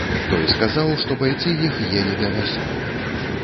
Той сказаў, што байцы іх елі да вясны.